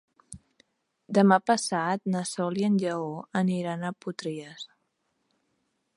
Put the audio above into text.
Demà passat na Sol i en Lleó aniran a Potries.